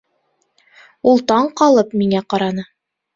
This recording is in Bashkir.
Ул таң ҡалып миңә ҡараны: